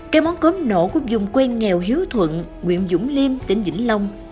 cái món cốm nổ cũng dùng quen nghèo hiếu thuận nguyễn dũng liêm tỉnh vĩnh long